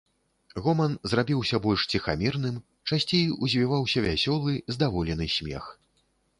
Гоман зрабіўся больш ціхамірным, часцей узвіваўся вясёлы, здаволены смех.